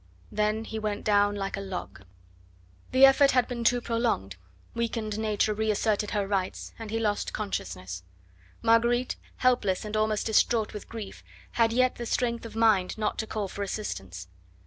Then he went down like a log. The effort had been too prolonged weakened nature reasserted her rights and he lost consciousness. Marguerite, helpless and almost distraught with grief, had yet the strength of mind not to call for assistance.